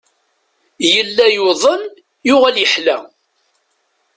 Yella yuḍen, yuɣal yeḥla.